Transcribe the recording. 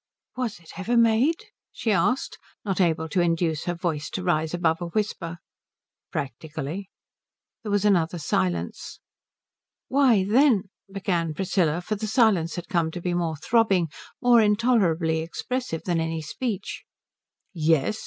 "Was it ever made?" she asked, not able to induce her voice to rise above a whisper. "Practically." There was another silence. "Why, then " began Priscilla, for the silence had come to be more throbbing, more intolerably expressive than any speech. "Yes?"